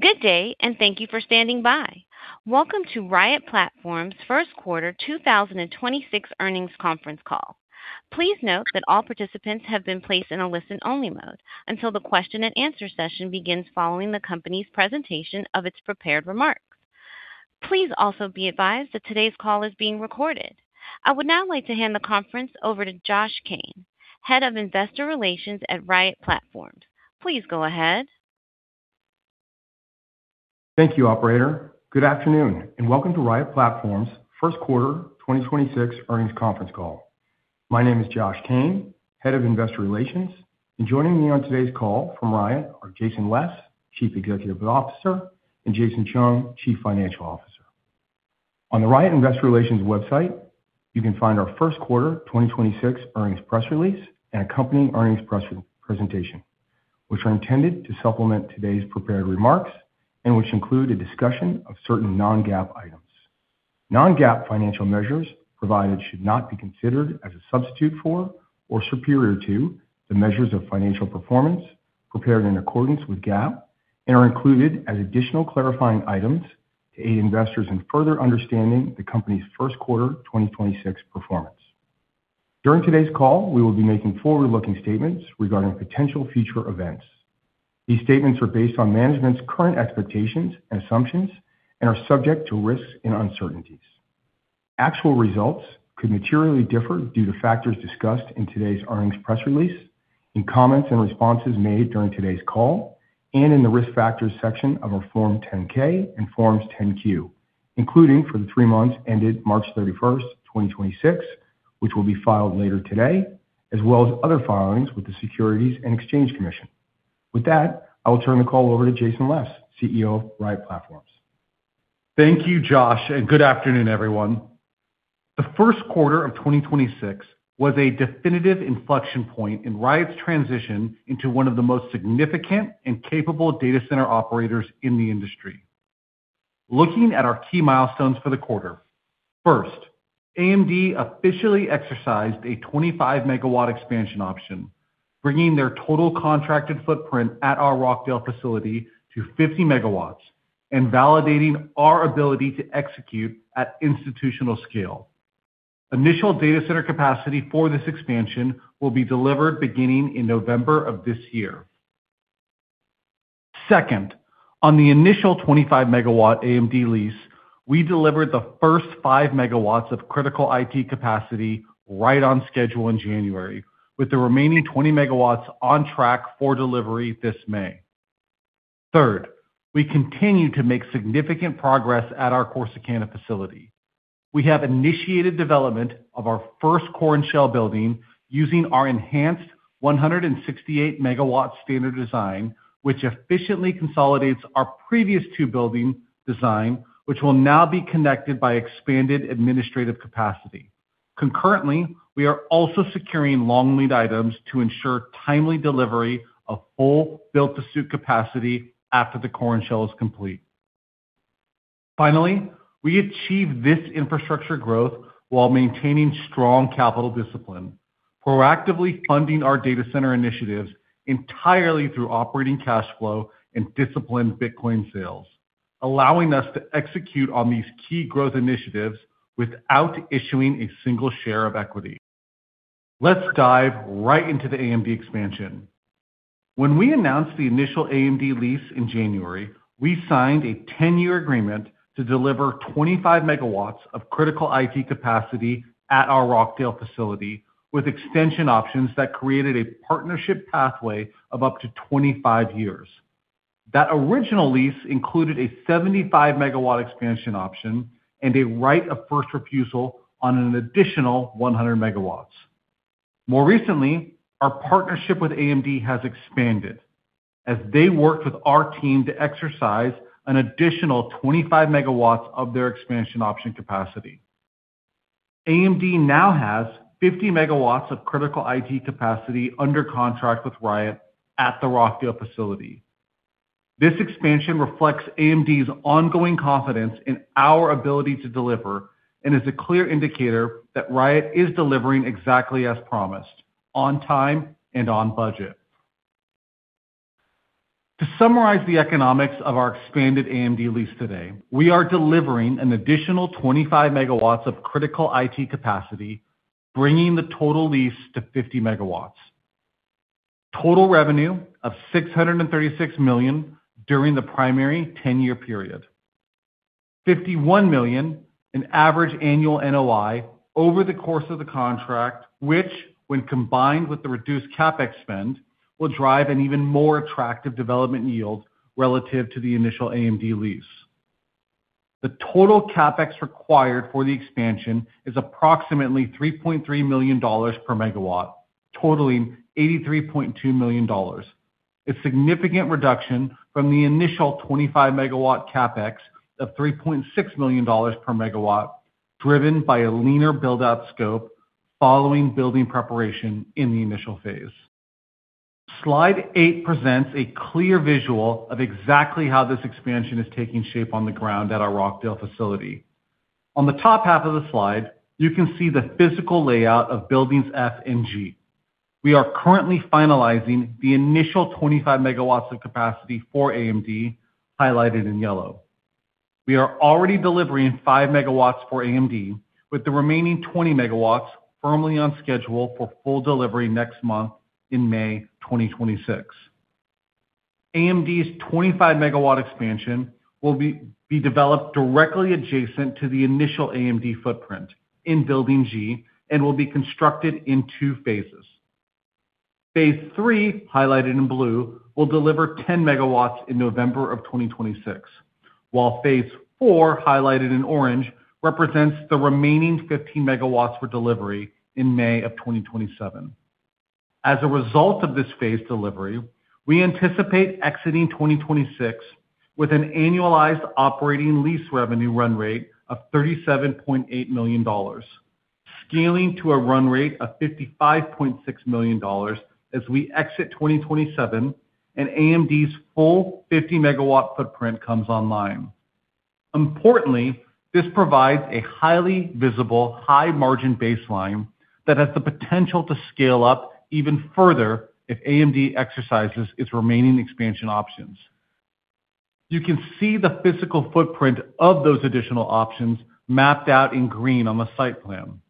Good day, and thank you for standing by. Welcome to Riot Platforms' first quarter 2026 earnings conference call. Please note that all participants have been placed in a listen-only mode until the question and answer session begins following the company's presentation of its prepared remarks. Please also be advised that today's call is being recorded. I would now like to hand the conference over to Joshua Kane, Head of Investor Relations at Riot Platforms. Please go ahead. Thank you, operator. Good afternoon. Welcome to Riot Platforms' first quarter 2026 earnings conference call. My name is Joshua Kane, Head of Investor Relations. Joining me on today's call from Riot are Jason Les, Chief Executive Officer, and Jason Chung, Chief Financial Officer. On the Riot investor relations website, you can find our first quarter 2026 earnings press release and accompanying earnings press presentation, which are intended to supplement today's prepared remarks and which include a discussion of certain non-GAAP items. Non-GAAP financial measures provided should not be considered as a substitute for or superior to the measures of financial performance prepared in accordance with GAAP and are included as additional clarifying items to aid investors in further understanding the company's first quarter 2026 performance. During today's call, we will be making forward-looking statements regarding potential future events. These statements are based on management's current expectations and assumptions and are subject to risks and uncertainties. Actual results could materially differ due to factors discussed in today's earnings press release, in comments and responses made during today's call, in the Risk Factors section of our Form 10-K and Forms 10-Q, including for the three months ended March 31st, 2026, which will be filed later today, as well as other filings with the Securities and Exchange Commission. With that, I will turn the call over to Jason Les, CEO of Riot Platforms. Thank you, Joshua, and good afternoon, everyone. The first quarter of 2026 was a definitive inflection point in Riot's transition into one of the most significant and capable data center operators in the industry. Looking at our key milestones for the quarter. First, AMD officially exercised a 25 MW expansion option, bringing their total contracted footprint at our Rockdale facility to 50 MW and validating our ability to execute at institutional scale. Initial data center capacity for this expansion will be delivered beginning in November of this year. Second, on the initial 25 MW AMD lease, we delivered the first 5 MW of critical IT capacity right on schedule in January, with the remaining 20 MW on track for delivery this May. Third, we continue to make significant progress at our Corsicana facility. We have initiated development of our first core and shell building using our enhanced 168 MW standard design, which efficiently consolidates our previous two building design, which will now be connected by expanded administrative capacity. Concurrently, we are also securing long lead items to ensure timely delivery of full build-to-suit capacity after the core and shell is complete. Finally, we achieved this infrastructure growth while maintaining strong capital discipline, proactively funding our data center initiatives entirely through operating cash flow and disciplined Bitcoin sales, allowing us to execute on these key growth initiatives without issuing a single share of equity. Let's dive right into the AMD expansion. When we announced the initial AMD lease in January, we signed a 10-year agreement to deliver 25 MW of critical IT capacity at our Rockdale facility with extension options that created a partnership pathway of up to 25 years. That original lease included a 75 megawatt expansion option and a right of first refusal on an additional 100 megawatts. More recently, our partnership with AMD has expanded as they worked with our team to exercise an additional 25 megawatts of their expansion option capacity. AMD now has 50 megawatts of critical IT capacity under contract with Riot at the Rockdale facility. This expansion reflects AMD's ongoing confidence in our ability to deliver and is a clear indicator that Riot is delivering exactly as promised, on time and on budget. To summarize the economics of our expanded AMD lease today, we are delivering an additional 25 megawatts of critical IT capacity, bringing the total lease to 50 megawatts. Total revenue of $636 million during the primary 10-year period. 51 million in average annual NOI over the course of the contract, which when combined with the reduced CapEx spend, will drive an even more attractive development yield relative to the initial AMD lease. The total CapEx required for the expansion is approximately $3.3 million per MW, totaling $83.2 million. A significant reduction from the initial 25 MW CapEx of $3.6 million per MW, driven by a leaner build-out scope following building preparation in the initial phase. Slide 8 presents a clear visual of exactly how this expansion is taking shape on the ground at our Rockdale facility. On the top half of the slide, you can see the physical layout of buildings F and G. We are currently finalizing the initial 25 MW of capacity for AMD, highlighted in yellow. We are already delivering five megawatts for AMD, with the remaining 20 megawatts firmly on schedule for full delivery next month in May 2026. AMD's 25 megawatt expansion will be developed directly adjacent to the initial AMD footprint in building G and will be constructed in 2 phases. Phase 3, highlighted in blue, will deliver 10 megawatts in November 2026, while Phase 4, highlighted in orange, represents the remaining 15 megawatts for delivery in May 2027. As a result of this phase delivery, we anticipate exiting 2026 with an annualized operating lease revenue run rate of $37.8 million, scaling to a run rate of $55.6 million as we exit 2027 and AMD's full 50 megawatt footprint comes online. Importantly, this provides a highly visible high margin baseline that has the potential to scale up even further if AMD exercises its remaining expansion options. You can see the physical footprint of those additional options mapped out in green on the site plan.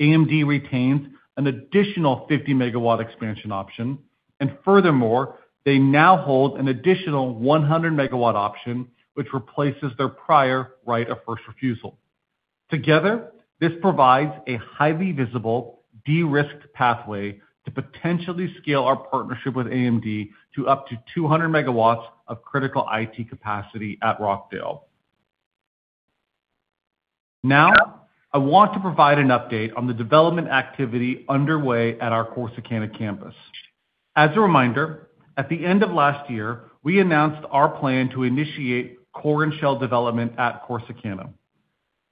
AMD retains an additional 50 megawatt expansion option, and furthermore, they now hold an additional 100 megawatt option, which replaces their prior right of first refusal. Together, this provides a highly visible, de-risked pathway to potentially scale our partnership with AMD to up to 200 megawatts of critical IT capacity at Rockdale. I want to provide an update on the development activity underway at our Corsicana campus. As a reminder, at the end of last year, we announced our plan to initiate core and shell development at Corsicana.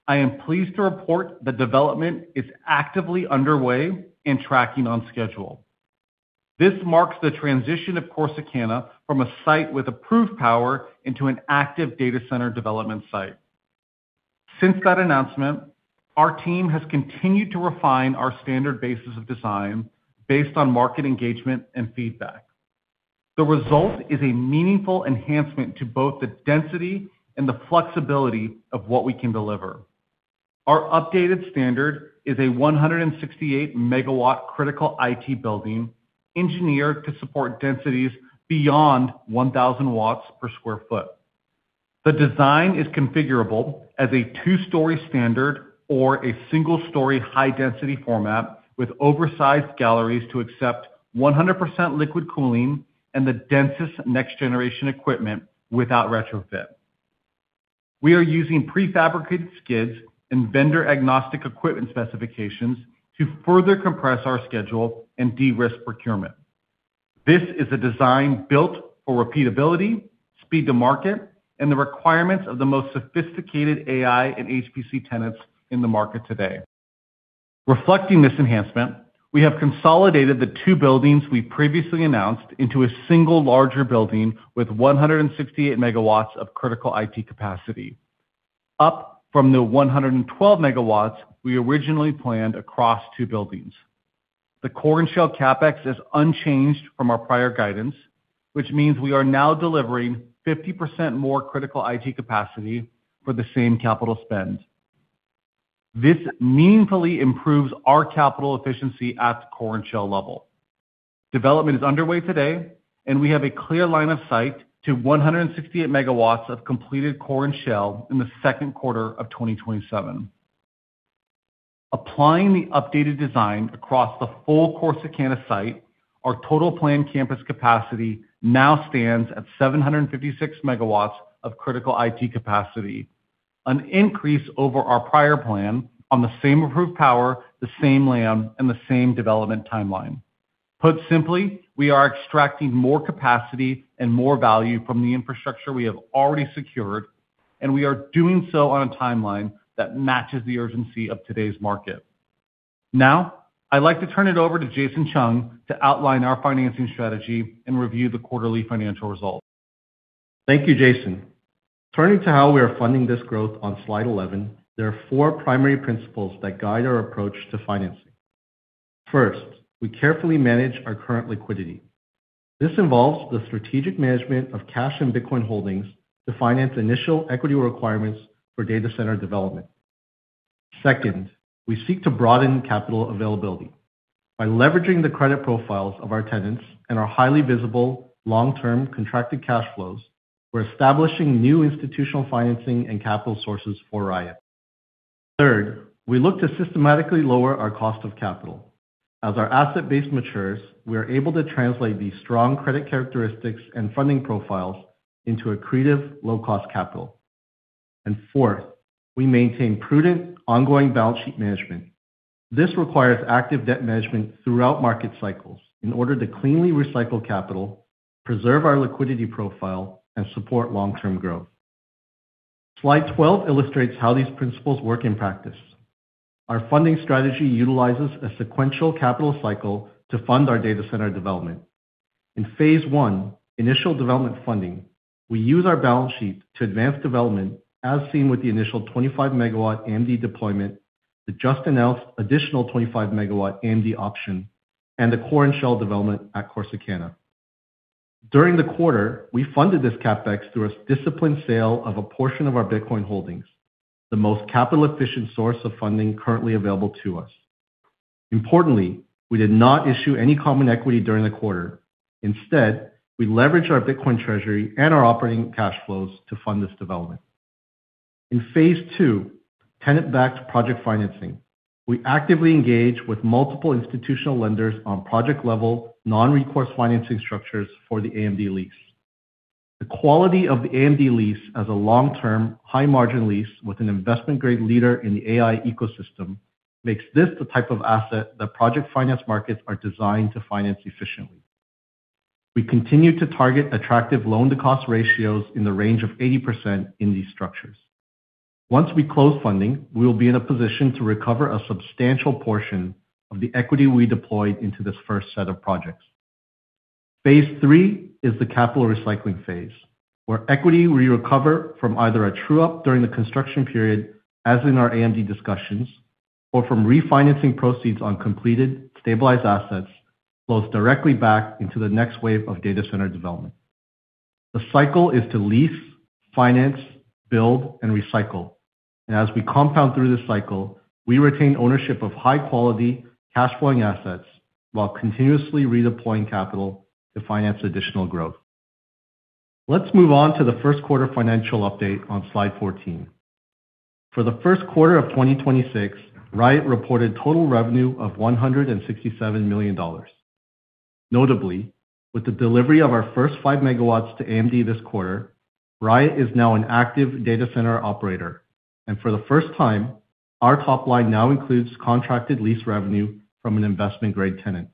I am pleased to report the development is actively underway and tracking on schedule. This marks the transition of Corsicana from a site with approved power into an active data center development site. Since that announcement, our team has continued to refine our standard basis of design based on market engagement and feedback. The result is a meaningful enhancement to both the density and the flexibility of what we can deliver. Our updated standard is a 168 MW critical IT building engineered to support densities beyond 1,000 watts per sq ft. The design is configurable as a 2-story standard or a single-story high-density format with oversized galleries to accept 100% liquid cooling and the densest next generation equipment without retrofit. We are using prefabricated skids and vendor-agnostic equipment specifications to further compress our schedule and de-risk procurement. This is a design built for repeatability, speed to market, and the requirements of the most sophisticated AI and HPC tenants in the market today. Reflecting this enhancement, we have consolidated the two buildings we previously announced into a single larger building with 168 megawatts of critical IT capacity, up from the 112 megawatts we originally planned across two buildings. The core and shell CapEx is unchanged from our prior guidance, which means we are now delivering 50% more critical IT capacity for the same capital spend. This meaningfully improves our capital efficiency at the core and shell level. Development is underway today, and we have a clear line of sight to 168 megawatts of completed core and shell in the second quarter of 2027. Applying the updated design across the full Corsicana site, our total planned campus capacity now stands at 756 megawatts of critical IT capacity, an increase over our prior plan on the same approved power, the same land, and the same development timeline. Put simply, we are extracting more capacity and more value from the infrastructure we have already secured, and we are doing so on a timeline that matches the urgency of today's market. Now, I'd like to turn it over to Jason Chung to outline our financing strategy and review the quarterly financial results. Thank you, Jason. Turning to how we are funding this growth on slide 11, there are four primary principles that guide our approach to financing. First, we carefully manage our current liquidity. This involves the strategic management of cash and Bitcoin holdings to finance initial equity requirements for data center development. Second, we seek to broaden capital availability. By leveraging the credit profiles of our tenants and our highly visible long-term contracted cash flows, we're establishing new institutional financing and capital sources for Riot. Third, we look to systematically lower our cost of capital. As our asset base matures, we are able to translate these strong credit characteristics and funding profiles into accretive low cost capital. Fourth, we maintain prudent ongoing balance sheet management. This requires active debt management throughout market cycles in order to cleanly recycle capital, preserve our liquidity profile and support long-term growth. Slide 12 illustrates how these principles work in practice. Our funding strategy utilizes a sequential capital cycle to fund our data center development. In phase 1, initial development funding, we use our balance sheet to advance development as seen with the initial 25 MW AMD deployment, the just announced additional 25 MW AMD option, and the core and shell development at Corsicana. During the quarter, we funded this CapEx through a disciplined sale of a portion of our Bitcoin holdings, the most capital-efficient source of funding currently available to us. Importantly, we did not issue any common equity during the quarter. Instead, we leveraged our Bitcoin treasury and our operating cash flows to fund this development. In phase 2, tenant-backed project financing. We actively engage with multiple institutional lenders on project-level, non-recourse financing structures for the AMD lease. The quality of the AMD lease as a long-term, high-margin lease with an investment-grade leader in the AI ecosystem makes this the type of asset that project finance markets are designed to finance efficiently. We continue to target attractive loan-to-cost ratios in the range of 80% in these structures. Once we close funding, we will be in a position to recover a substantial portion of the equity we deployed into this first set of projects. Phase 3 is the capital recycling phase, where equity we recover from either a true-up during the construction period, as in our AMD discussions, or from refinancing proceeds on completed, stabilized assets, flows directly back into the next wave of data center development. The cycle is to lease, finance, build, and recycle. As we compound through this cycle, we retain ownership of high-quality, cash-flowing assets while continuously redeploying capital to finance additional growth. Let's move on to the 1st quarter financial update on slide 14. For the 1st quarter of 2026, Riot reported total revenue of $167 million. Notably, with the delivery of our 1st 5 MW to AMD this quarter, Riot is now an active data center operator. For the 1st time, our top line now includes contracted lease revenue from an investment-grade tenant.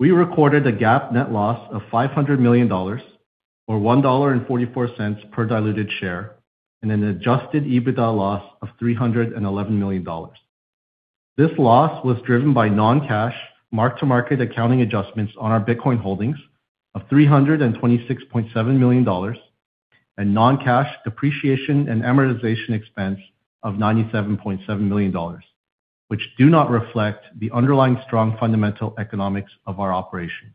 We recorded a GAAP net loss of $500 million, or $1.44 per diluted share, and an adjusted EBITDA loss of $311 million. This loss was driven by non-cash mark-to-market accounting adjustments on our Bitcoin holdings of $326.7 million and non-cash depreciation and amortization expense of $97.7 million, which do not reflect the underlying strong fundamental economics of our operations.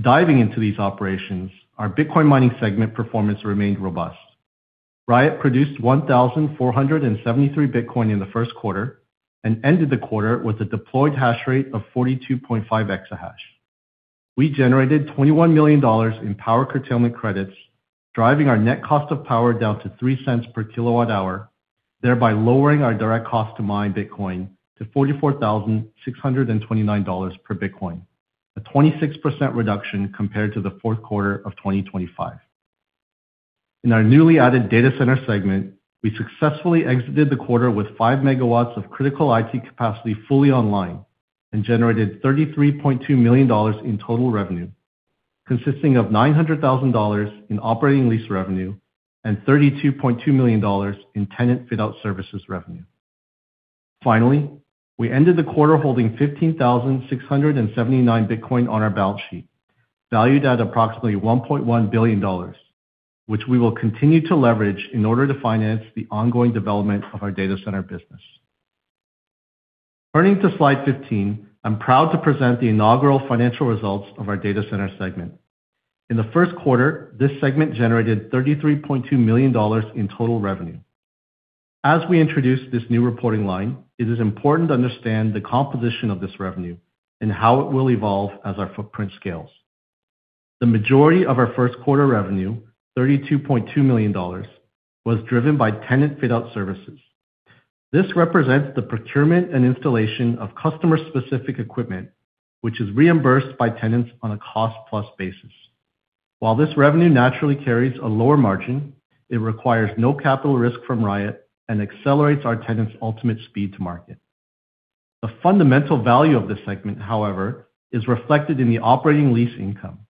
Diving into these operations, our Bitcoin mining segment performance remained robust. Riot produced 1,473 Bitcoin in the 1st quarter and ended the quarter with a deployed hash rate of 42.5 exahash. We generated $21 million in power curtailment credits, driving our net cost of power down to $0.03 per kilowatt hour, thereby lowering our direct cost to mine Bitcoin to $44,629 per Bitcoin, a 26% reduction compared to the 4th quarter of 2025. In our newly added data center segment, we successfully exited the quarter with 5 megawatts of critical IT capacity fully online and generated $33.2 million in total revenue, consisting of $900,000 in operating lease revenue and $32.2 million in tenant fit-out services revenue. Finally, we ended the quarter holding 15,679 Bitcoin on our balance sheet, valued at approximately $1.1 billion, which we will continue to leverage in order to finance the ongoing development of our data center business. Turning to slide 15, I'm proud to present the inaugural financial results of our data center segment. In the first quarter, this segment generated $33.2 million in total revenue. As we introduce this new reporting line, it is important to understand the composition of this revenue and how it will evolve as our footprint scales. The majority of our first quarter revenue, $32.2 million, was driven by tenant fit-out services. This represents the procurement and installation of customer-specific equipment, which is reimbursed by tenants on a cost-plus basis. While this revenue naturally carries a lower margin, it requires no capital risk from Riot and accelerates our tenants' ultimate speed to market. The fundamental value of this segment, however, is reflected in the operating lease income.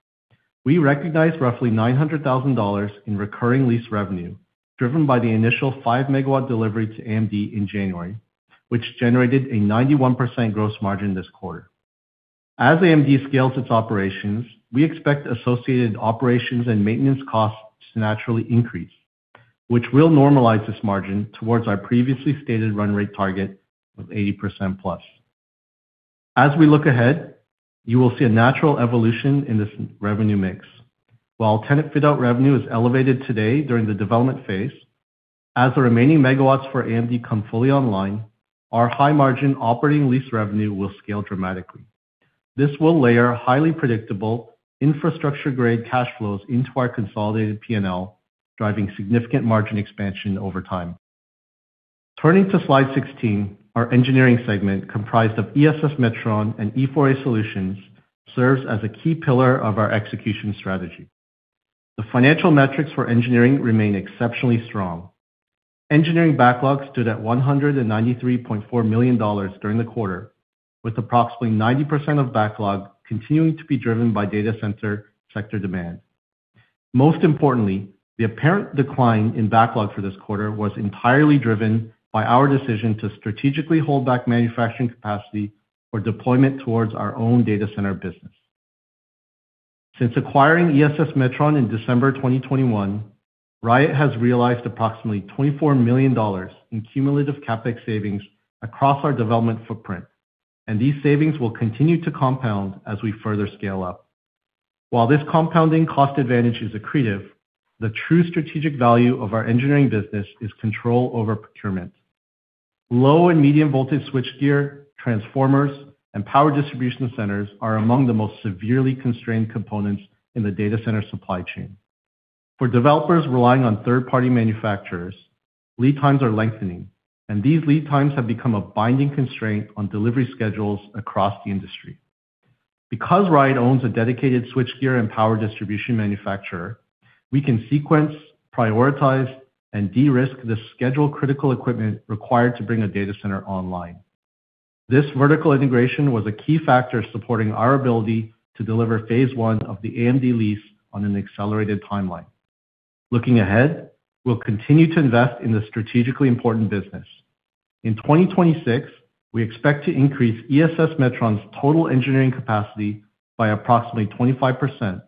We recognized roughly $900,000 in recurring lease revenue, driven by the initial 5-megawatt delivery to AMD in January, which generated a 91% gross margin this quarter. As AMD scales its operations, we expect associated operations and maintenance costs to naturally increase, which will normalize this margin towards our previously stated run rate target of 80% plus. While tenant fit-out revenue is elevated today during the development phase, as the remaining megawatts for AMD come fully online, our high-margin operating lease revenue will scale dramatically. This will layer highly predictable infrastructure-grade cash flows into our consolidated P&L, driving significant margin expansion over time. Turning to slide 16, our engineering segment, comprised of ESS Metron and E4A Solutions, serves as a key pillar of our execution strategy. The financial metrics for engineering remain exceptionally strong. Engineering backlog stood at $193.4 million during the quarter, with approximately 90% of backlog continuing to be driven by data center sector demand. Most importantly, the apparent decline in backlog for this quarter was entirely driven by our decision to strategically hold back manufacturing capacity for deployment towards our own data center business. Since acquiring ESS Metron in December 2021, Riot has realized approximately $24 million in cumulative CapEx savings across our development footprint, and these savings will continue to compound as we further scale up. While this compounding cost advantage is accretive, the true strategic value of our engineering business is control over procurement. Low and medium voltage switchgear, transformers, and power distribution centers are among the most severely constrained components in the data center supply chain. For developers relying on third-party manufacturers, lead times are lengthening, and these lead times have become a binding constraint on delivery schedules across the industry. Because Riot owns a dedicated switchgear and power distribution manufacturer, we can sequence, prioritize, and de-risk the schedule-critical equipment required to bring a data center online. This vertical integration was a key factor supporting our ability to deliver phase one of the AMD lease on an accelerated timeline. Looking ahead, we'll continue to invest in this strategically important business. In 2026, we expect to increase ESS Metron's total engineering capacity by approximately 25%,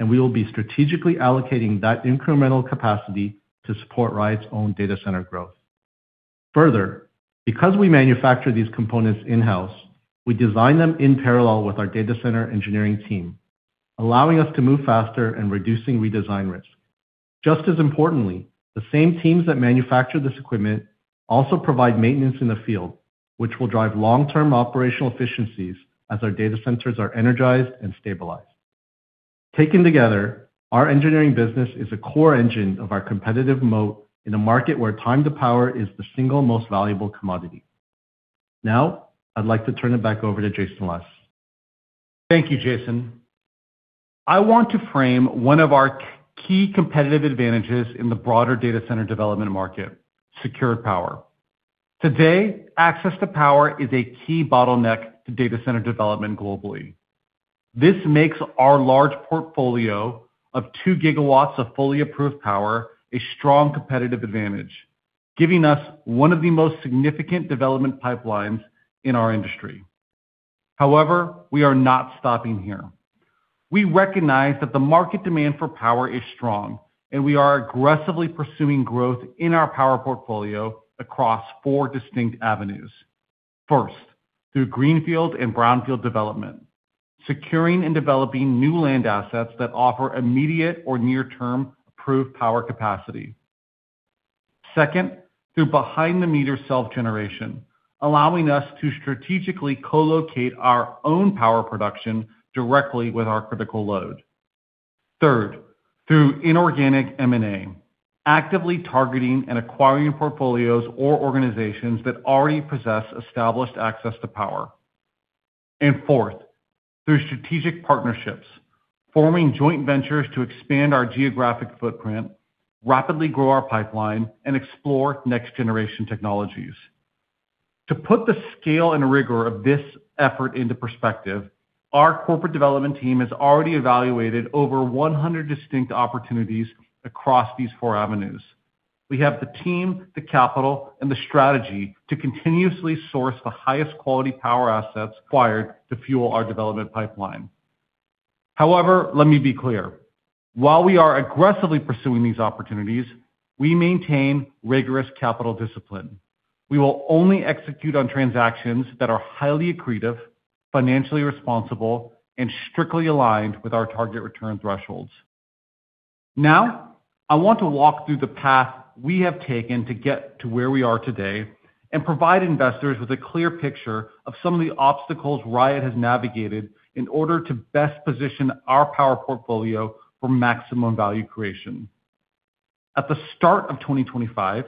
and we will be strategically allocating that incremental capacity to support Riot's own data center growth. Further, because we manufacture these components in-house, we design them in parallel with our data center engineering team, allowing us to move faster and reducing redesign risk. Just as importantly, the same teams that manufacture this equipment also provide maintenance in the field, which will drive long-term operational efficiencies as our data centers are energized and stabilized. Taken together, our engineering business is a core engine of our competitive moat in a market where time to power is the single most valuable commodity. Now, I'd like to turn it back over to Jason Les. Thank you, Jason. I want to frame one of our key competitive advantages in the broader data center development market: secured power. Today, access to power is a key bottleneck to data center development globally. This makes our large portfolio of 2 gigawatts of fully approved power a strong competitive advantage, giving us one of the most significant development pipelines in our industry. We are not stopping here. We recognize that the market demand for power is strong, and we are aggressively pursuing growth in our power portfolio across 4 distinct avenues. First, through greenfield and brownfield development, securing and developing new land assets that offer immediate or near-term approved power capacity. Second, through behind-the-meter self-generation, allowing us to strategically co-locate our own power production directly with our critical load. Third, through inorganic M&A, actively targeting and acquiring portfolios or organizations that already possess established access to power. Fourth, through strategic partnerships, forming joint ventures to expand our geographic footprint, rapidly grow our pipeline, and explore next-generation technologies. To put the scale and rigor of this effort into perspective, our corporate development team has already evaluated over 100 distinct opportunities across these four avenues. We have the team, the capital, and the strategy to continuously source the highest quality power assets required to fuel our development pipeline. Let me be clear: while we are aggressively pursuing these opportunities, we maintain rigorous capital discipline. We will only execute on transactions that are highly accretive, financially responsible, and strictly aligned with our target return thresholds. I want to walk through the path we have taken to get to where we are today and provide investors with a clear picture of some of the obstacles Riot has navigated in order to best position our power portfolio for maximum value creation. At the start of 2025,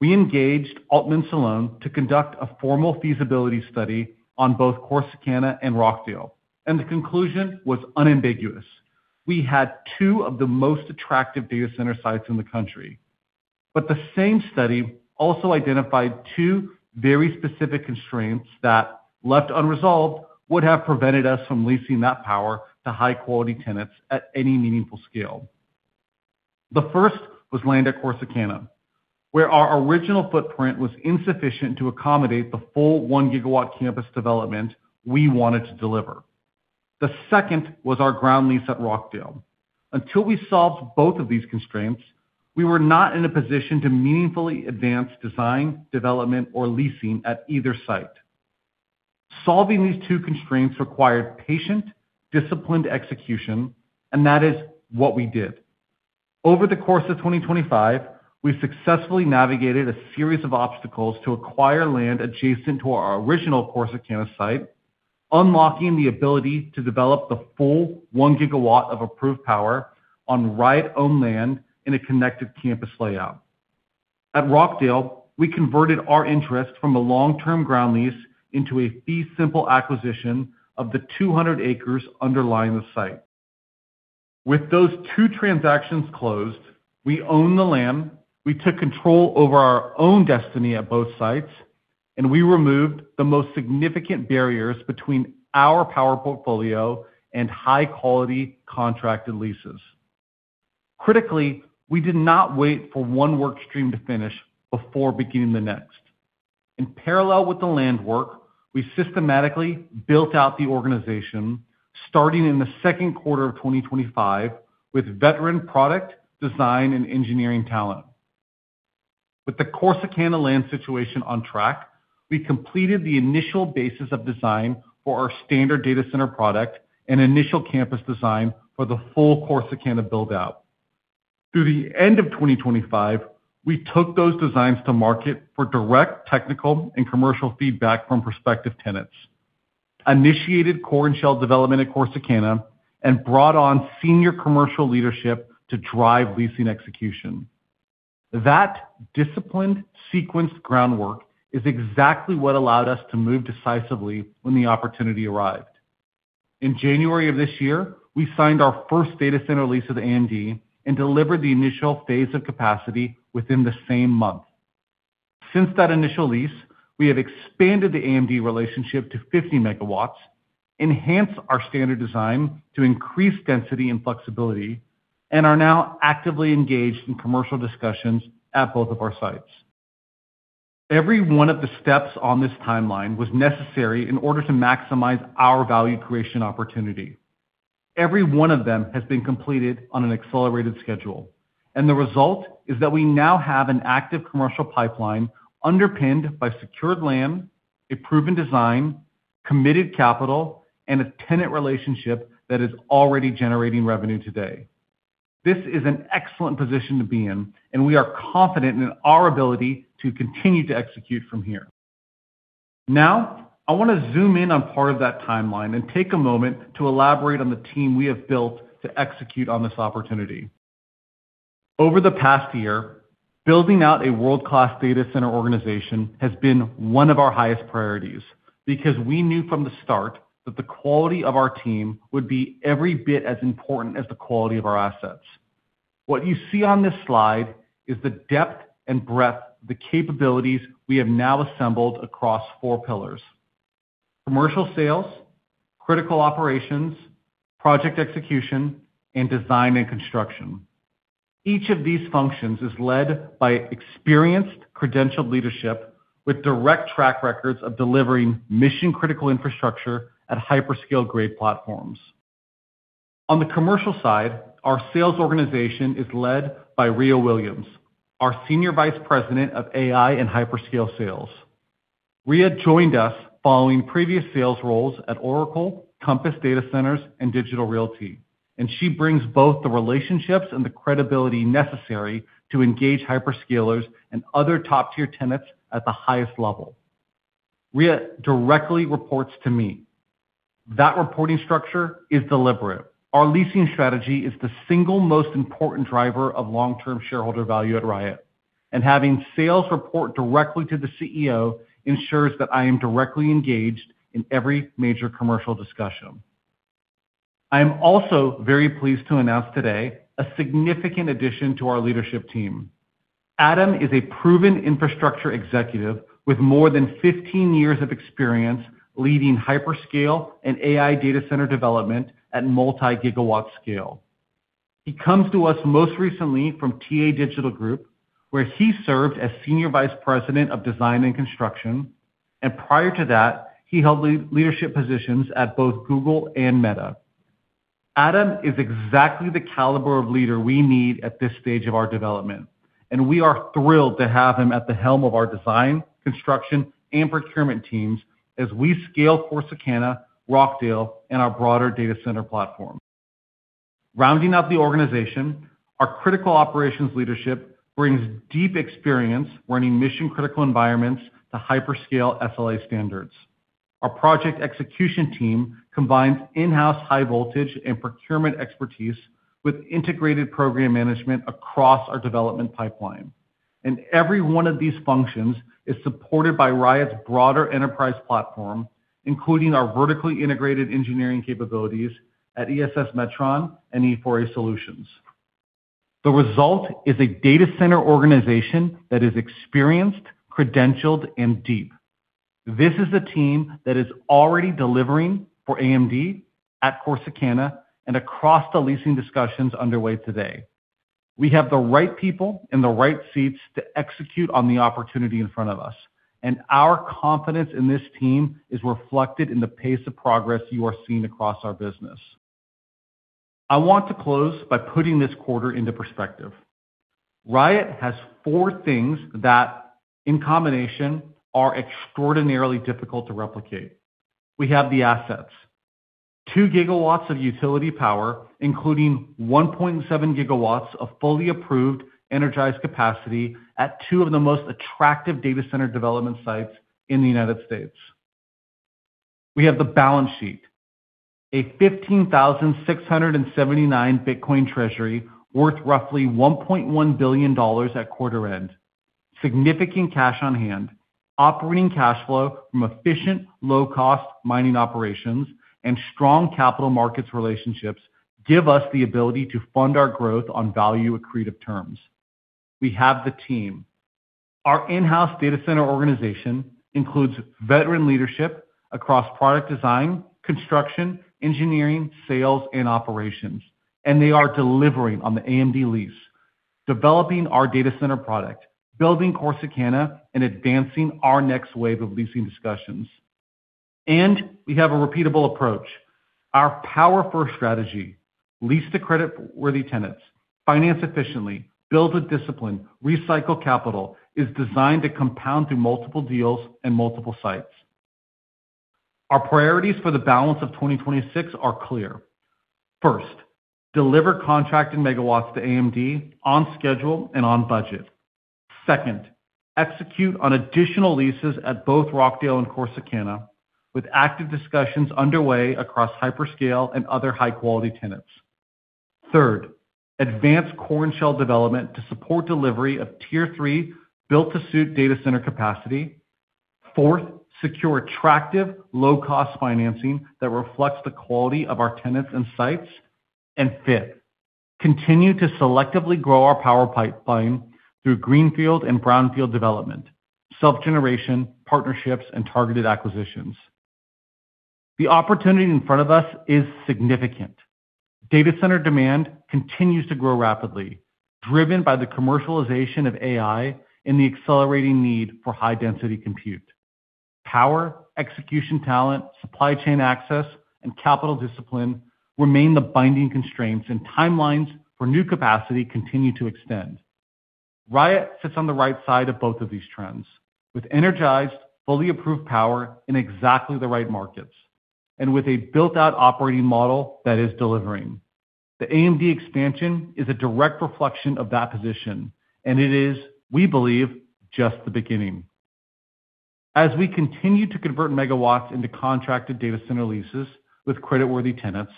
we engaged Altman Solon to conduct a formal feasibility study on both Corsicana and Rockdale. The conclusion was unambiguous. We had two of the most attractive data center sites in the country. The same study also identified two very specific constraints that, left unresolved, would have prevented us from leasing that power to high-quality tenants at any meaningful scale. The first was land at Corsicana, where our original footprint was insufficient to accommodate the full 1 gigawatt campus development we wanted to deliver. The second was our ground lease at Rockdale. Until we solved both of these constraints, we were not in a position to meaningfully advance design, development, or leasing at either site. Solving these two constraints required patient, disciplined execution, and that is what we did. Over the course of 2025, we successfully navigated a series of obstacles to acquire land adjacent to our original Corsicana site, unlocking the ability to develop the full 1 gigawatt of approved power on Riot-owned land in a connected campus layout. At Rockdale, we converted our interest from a long-term ground lease into a fee simple acquisition of the 200 acres underlying the site. With those two transactions closed, we own the land, we took control over our own destiny at both sites. We removed the most significant barriers between our power portfolio and high quality contracted leases. Critically, we did not wait for one work stream to finish before beginning the next. In parallel with the land work, we systematically built out the organization starting in the second quarter of 2025 with veteran product design and engineering talent. With the Corsicana land situation on track, we completed the initial basis of design for our standard data center product and initial campus design for the full Corsicana build-out. Through the end of 2025, we took those designs to market for direct technical and commercial feedback from prospective tenants, initiated core and shell development at Corsicana, and brought on senior commercial leadership to drive leasing execution. That disciplined sequenced groundwork is exactly what allowed us to move decisively when the opportunity arrived. In January of this year, we signed our first data center lease with AMD and delivered the initial phase of capacity within the same month. Since that initial lease, we have expanded the AMD relationship to 50 MW, enhanced our standard design to increase density and flexibility, and are now actively engaged in commercial discussions at both of our sites. Every one of the steps on this timeline was necessary in order to maximize our value creation opportunity. Every one of them has been completed on an accelerated schedule, and the result is that we now have an active commercial pipeline underpinned by secured land, a proven design, committed capital, and a tenant relationship that is already generating revenue today. This is an excellent position to be in, and we are confident in our ability to continue to execute from here. I want to zoom in on part of that timeline and take a moment to elaborate on the team we have built to execute on this opportunity. Over the past year, building out a world-class data center organization has been one of our highest priorities because we knew from the start that the quality of our team would be every bit as important as the quality of our assets. What you see on this slide is the depth and breadth of the capabilities we have now assembled across four pillars. Commercial sales, critical operations, project execution, and design and construction. Each of these functions is led by experienced, credentialed leadership with direct track records of delivering mission-critical infrastructure at hyperscale grade platforms. On the commercial side, our sales organization is led by Rhea Williams, our Senior Vice President of AI and Hyperscale Sales. Rhea joined us following previous sales roles at Oracle, Compass Datacenters, and Digital Realty. She brings both the relationships and the credibility necessary to engage hyperscalers and other top-tier tenants at the highest level. Rhea directly reports to me. That reporting structure is deliberate. Our leasing strategy is the single most important driver of long-term shareholder value at Riot. Having sales report directly to the CEO ensures that I am directly engaged in every major commercial discussion. I am also very pleased to announce today a significant addition to our leadership team. Adam is a proven infrastructure executive with more than 15 years of experience leading hyperscale and AI data center development at multi-gigawatt scale. He comes to us most recently from TA Digital Group, where he served as Senior Vice President of Design and Construction, and prior to that, he held leadership positions at both Google and Meta. Adam is exactly the caliber of leader we need at this stage of our development, and we are thrilled to have him at the helm of our design, construction, and procurement teams as we scale Corsicana, Rockdale, and our broader data center platform. Rounding out the organization, our critical operations leadership brings deep experience running mission-critical environments to hyperscale SLA standards. Our project execution team combines in-house high voltage and procurement expertise with integrated program management across our development pipeline. Every one of these functions is supported by Riot's broader enterprise platform, including our vertically integrated engineering capabilities at ESS Metron and E4A Solutions. The result is a data center organization that is experienced, credentialed, and deep. This is a team that is already delivering for AMD at Corsicana and across the leasing discussions underway today. We have the right people in the right seats to execute on the opportunity in front of us, and our confidence in this team is reflected in the pace of progress you are seeing across our business. I want to close by putting this quarter into perspective. Riot has 4 things that, in combination, are extraordinarily difficult to replicate. We have the assets. 2 GW of utility power, including 1.7 GW of fully approved energized capacity at two of the most attractive data center development sites in the U.S. We have the balance sheet. A 15,679 Bitcoin treasury worth roughly $1.1 billion at quarter end, significant cash on hand, operating cash flow from efficient low-cost mining operations, and strong capital markets relationships give us the ability to fund our growth on value-accretive terms. We have the team. Our in-house data center organization includes veteran leadership across product design, construction, engineering, sales, and operations, and they are delivering on the AMD lease, developing our data center product, building Corsicana, and advancing our next wave of leasing discussions. We have a repeatable approach. Our power first strategy, lease to credit-worthy tenants, finance efficiently, build with discipline, recycle capital, is designed to compound through multiple deals and multiple sites. Our priorities for the balance of 2026 are clear. First, deliver contract and megawatts to AMD on schedule and on budget. Second, execute on additional leases at both Rockdale and Corsicana with active discussions underway across hyperscale and other high-quality tenants. Third, advance core and shell development to support delivery of tier-3 built-to-suit data center capacity. Fourth, secure attractive low-cost financing that reflects the quality of our tenants and sites. Fifth, continue to selectively grow our power pipeline through greenfield and brownfield development, self-generation, partnerships, and targeted acquisitions. The opportunity in front of us is significant. Data center demand continues to grow rapidly, driven by the commercialization of AI and the accelerating need for high-density compute. Power, execution talent, supply chain access, and capital discipline remain the binding constraints and timelines for new capacity continue to extend. Riot sits on the right side of both of these trends with energized, fully approved power in exactly the right markets and with a built-out operating model that is delivering. The AMD expansion is a direct reflection of that position. It is, we believe, just the beginning. As we continue to convert megawatts into contracted data center leases with creditworthy tenants,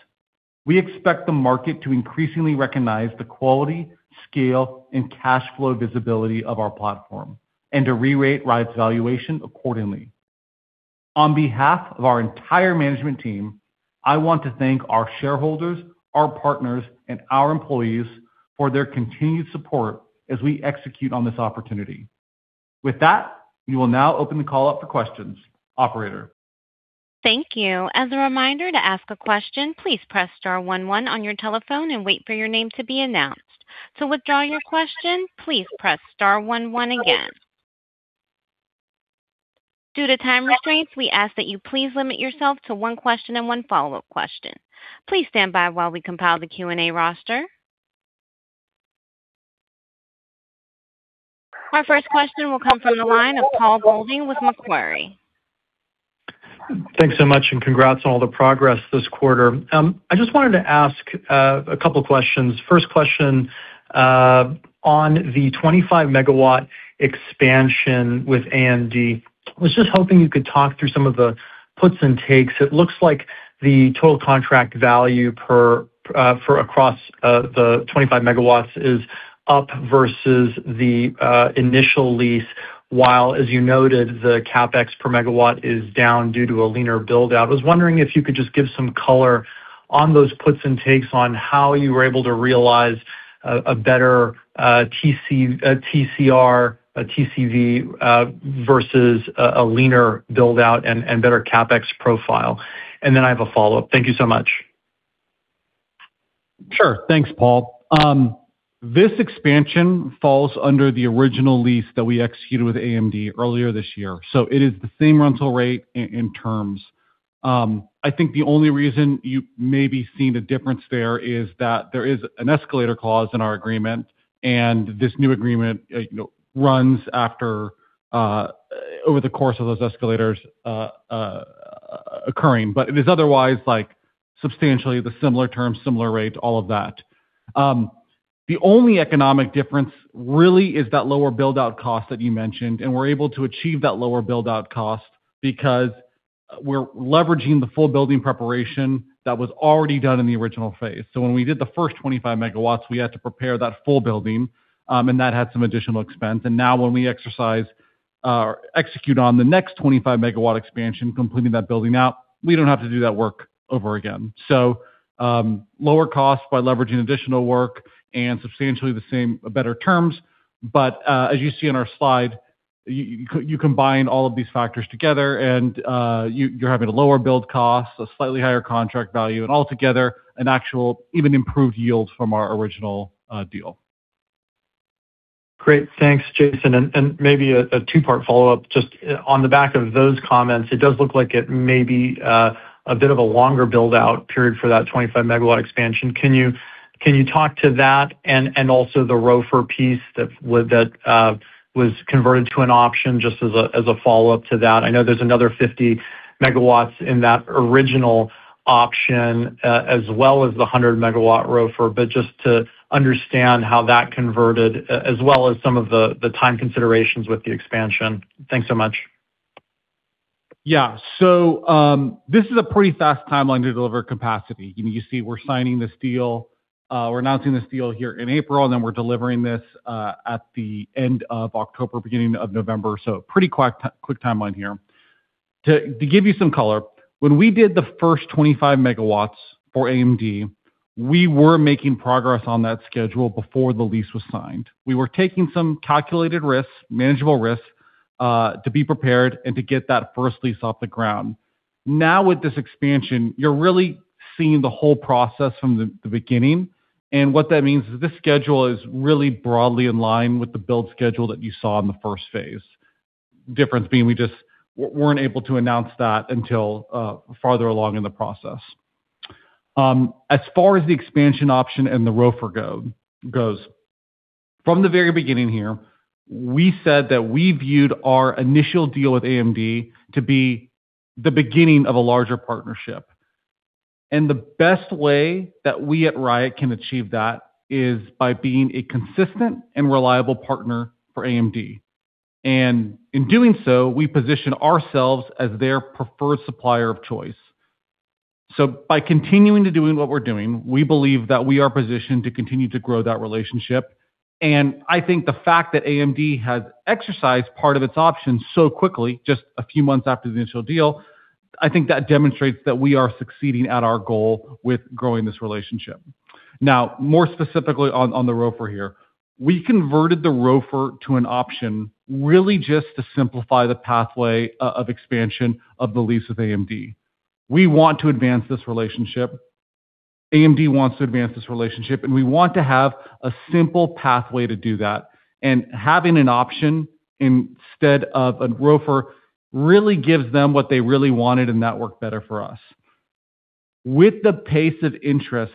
we expect the market to increasingly recognize the quality, scale, and cash flow visibility of our platform and to rerate Riot's valuation accordingly. On behalf of our entire management team, I want to thank our shareholders, our partners, and our employees for their continued support as we execute on this opportunity. With that, we will now open the call up for questions. Operator. Thank you. As a reminder to ask a question, please press star 11 on your telephone and wait for your name to be announced. To withdraw your question, please press star 11 again. Due to time restraints, we ask that you please limit yourself to one question and one follow-up question. Please stand by while we compile the Q&A roster. Our first question will come from the line of Paul Golding with Macquarie. Thanks so much, congrats on all the progress this quarter. I just wanted to ask a couple questions. First question, on the 25 megawatt expansion with AMD. I was just hoping you could talk through some of the puts and takes. It looks like the total contract value per for across the 25 megawatts is up versus the initial lease, while, as you noted, the CapEx per megawatt is down due to a leaner build-out. I was wondering if you could just give some color on those puts and takes on how you were able to realize a better TC-- TCR, TCV versus a leaner build-out and better CapEx profile. Then I have a follow-up. Thank you so much. Sure. Thanks, Paul. This expansion falls under the original lease that we executed with AMD earlier this year. It is the same rental rate in terms. I think the only reason you may be seeing a difference there is that there is an escalator clause in our agreement, and this new agreement, you know, runs after over the course of those escalators occurring. It is otherwise, like, substantially the similar terms, similar rates, all of that. The only economic difference really is that lower build-out cost that you mentioned, and we're able to achieve that lower build-out cost because we're leveraging the full building preparation that was already done in the original phase. When we did the first 25 MW, we had to prepare that full building, and that had some additional expense. Now when we exercise, execute on the next 25 MW expansion, completing that building out, we don't have to do that work over again. Lower cost by leveraging additional work and substantially the same better terms. As you see in our slide, you combine all of these factors together and you're having a lower build cost, a slightly higher contract value, and altogether an actual even improved yield from our original deal. Great. Thanks, Jason. Maybe a two-part follow-up just on the back of those comments. It does look like it may be a bit of a longer build-out period for that 25 MW expansion. Can you talk to that and also the ROFR piece that was converted to an option just as a follow-up to that? I know there's another 50 MW in that original option, as well as the 100 MW ROFR, but just to understand how that converted as well as some of the time considerations with the expansion. Thanks so much. This is a pretty fast timeline to deliver capacity. You know, you see we're signing this deal, we're announcing this deal here in April, we're delivering this at the end of October, beginning of November. Pretty quick timeline here. To give you some color, when we did the first 25 megawatts for AMD, we were making progress on that schedule before the lease was signed. We were taking some calculated risks, manageable risks, to be prepared and to get that first lease off the ground. With this expansion, you're really seeing the whole process from the beginning. What that means is this schedule is really broadly in line with the build schedule that you saw in the first phase. Difference being we just weren't able to announce that until farther along in the process. As far as the expansion option and the ROFR goes, from the very beginning here, we said that we viewed our initial deal with AMD to be the beginning of a larger partnership. The best way that we at Riot can achieve that is by being a consistent and reliable partner for AMD. In doing so, we position ourselves as their preferred supplier of choice. By continuing to doing what we're doing, we believe that we are positioned to continue to grow that relationship. I think the fact that AMD has exercised part of its option so quickly, just a few months after the initial deal, I think that demonstrates that we are succeeding at our goal with growing this relationship. More specifically on the ROFR here. We converted the ROFR to an option really just to simplify the pathway of expansion of the lease with AMD. We want to advance this relationship, AMD wants to advance this relationship, and we want to have a simple pathway to do that. Having an option instead of a ROFR really gives them what they really wanted, and that worked better for us. With the pace of interest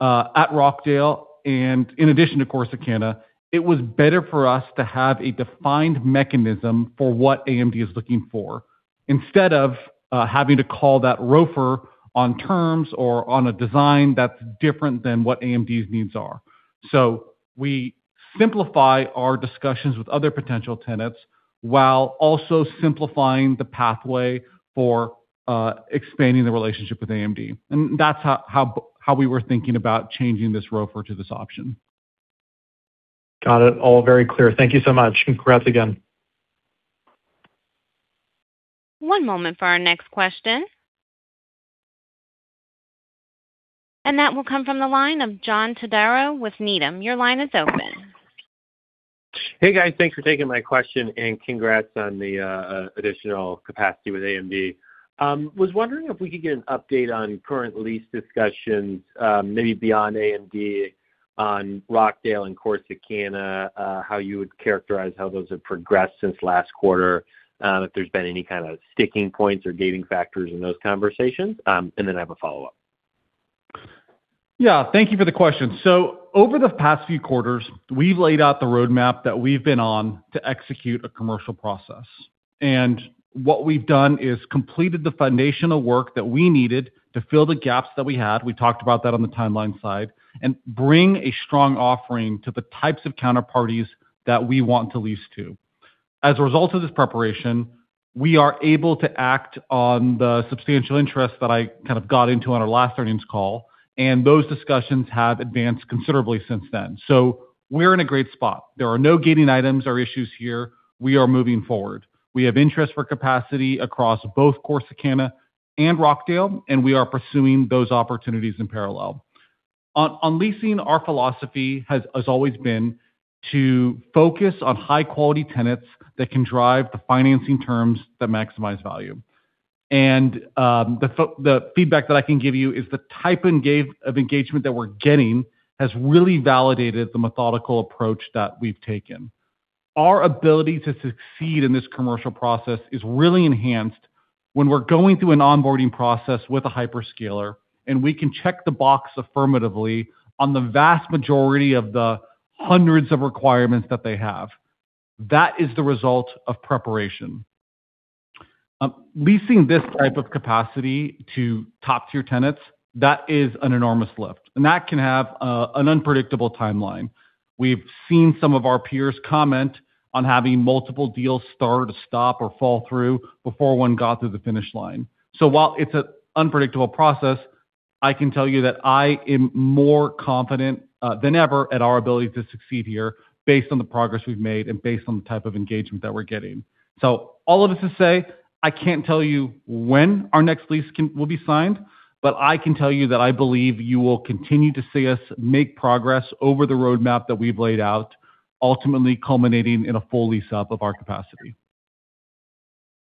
at Rockdale, and in addition to Corsicana, it was better for us to have a defined mechanism for what AMD is looking for instead of having to call that ROFR on terms or on a design that's different than what AMD's needs are. We simplify our discussions with other potential tenants while also simplifying the pathway for expanding the relationship with AMD. That's how we were thinking about changing this ROFR to this option. Got it. All very clear. Thank you so much. Congrats again. One moment for our next question. That will come from the line of John Todaro with Needham. Your line is open. Hey, guys. Thanks for taking my question, and congrats on the additional capacity with AMD. Was wondering if we could get an update on current lease discussions, maybe beyond AMD on Rockdale and Corsicana, how you would characterize how those have progressed since last quarter, if there's been any kind of sticking points or gating factors in those conversations. I have a follow-up. Yeah. Thank you for the question. Over the past few quarters, we've laid out the roadmap that we've been on to execute a commercial process. What we've done is completed the foundational work that we needed to fill the gaps that we had, we talked about that on the timeline slide, and bring a strong offering to the types of counterparties that we want to lease to. As a result of this preparation, we are able to act on the substantial interest that I kind of got into on our last earnings call, and those discussions have advanced considerably since then. We're in a great spot. There are no gating items or issues here. We are moving forward. We have interest for capacity across both Corsicana and Rockdale, and we are pursuing those opportunities in parallel. On leasing, our philosophy has always been to focus on high-quality tenants that can drive the financing terms that maximize value. The feedback that I can give you is the type of engagement that we're getting has really validated the methodical approach that we've taken. Our ability to succeed in this commercial process is really enhanced when we're going through an onboarding process with a hyperscaler, and we can check the box affirmatively on the vast majority of the hundreds of requirements that they have. That is the result of preparation. Leasing this type of capacity to top-tier tenants, that is an enormous lift, and that can have an unpredictable timeline. We've seen some of our peers comment on having multiple deals start or stop or fall through before 1 got to the finish line. While it's an unpredictable process, I can tell you that I am more confident than ever at our ability to succeed here based on the progress we've made and based on the type of engagement that we're getting. All of this to say, I can't tell you when our next lease will be signed, but I can tell you that I believe you will continue to see us make progress over the roadmap that we've laid out, ultimately culminating in a full lease-up of our capacity.